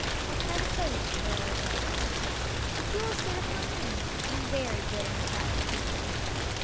I'll try to tell you, curls of gold, If you will sit upon my knee And very good and quiet be.